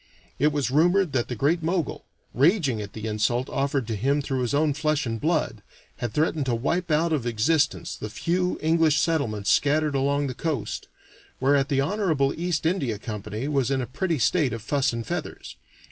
It was rumored that the Great Mogul, raging at the insult offered to him through his own flesh and blood, had threatened to wipe out of existence the few English settlements scattered along the coast; whereat the honorable East India Company was in a pretty state of fuss and feathers.